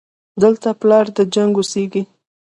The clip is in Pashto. دلته پلار د جنګ اوسېږي